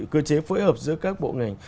cơ chế phối hợp giữa các bộ ngành